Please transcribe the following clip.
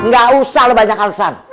gak usah lu banyak alesan